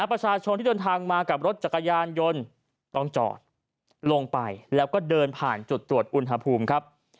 ประชาชนที่เดินทางมากับรถจักรยานยนต์ต้องจอดลงไปแล้วก็เดินผ่านจุดตรวจอุณหภูมิครับ